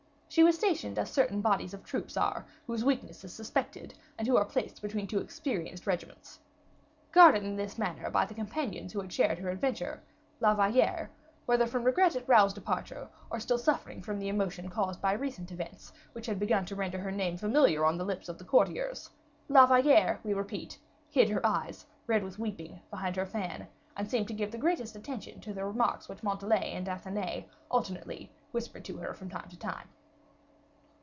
She was stationed as certain bodies of troops are, whose weakness is suspected, and who are placed between two experienced regiments. Guarded in this manner by the companions who had shared her adventure, La Valliere, whether from regret at Raoul's departure, or still suffering from the emotion caused by recent events, which had begun to render her name familiar on the lips of the courtiers, La Valliere, we repeat, hid her eyes, red with weeping, behind her fan, and seemed to give the greatest attention to the remarks which Montalais and Athenais, alternately, whispered to her from time to time.